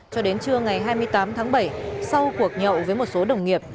cho đến trưa ngày hai mươi tám tháng bảy sau cuộc nhậu với một số đồng nghiệp